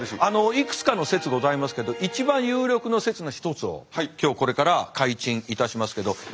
あのいくつかの説ございますけど一番有力の説の一つを今日これから開陳いたしますけど。